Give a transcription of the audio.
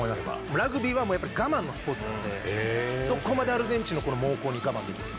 ラグビーはやっぱり我慢のスポーツなので、どこまでアルゼンチンの猛攻に我慢できるか。